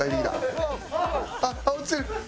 あっあっ落ちてる！